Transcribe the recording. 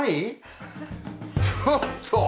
ちょっと！